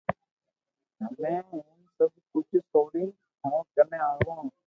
ھمي ھين سب ڪجھ سوڙين ٿو ڪني آوو